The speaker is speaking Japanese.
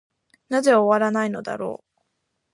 なぜ終わないのだろう。